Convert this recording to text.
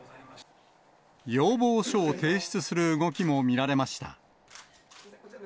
要望書を提出する動きも見られました。